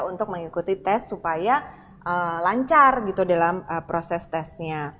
untuk mengikuti tes supaya lancar gitu dalam proses tesnya